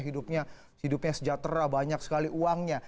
hidupnya sejahtera banyak sekali uangnya